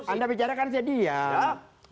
anda bicarakan saya diam